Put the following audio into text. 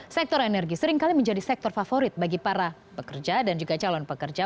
sektor energi seringkali menjadi sektor favorit bagi para pekerja dan juga calon pekerja